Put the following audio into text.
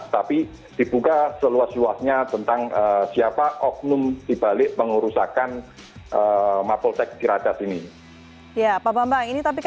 tapi dibuka seluas luasnya tentang siapa oknum dibalik pengurusakan mapolsek ciracas ini